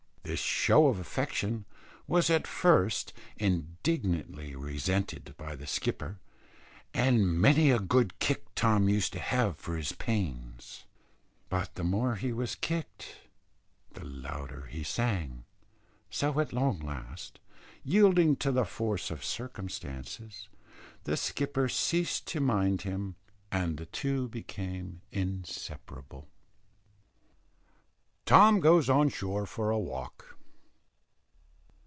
This show of affection was at first indignantly resented by the skipper, and many a good kick Tom used to have for his pains; but the more he was kicked the louder he sang, so at long last, yielding to the force of circumstances, the skipper ceased to mind him, and the two became inseparable. TOM GOES ON SHORE FOR A WALK.